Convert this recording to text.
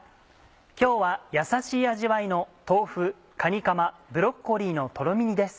今日はやさしい味わいの「豆腐かにかまブロッコリーのとろみ煮」です。